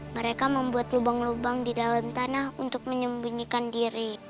mereka membuat lubang lubang di dalam tanah untuk menyembunyikan diri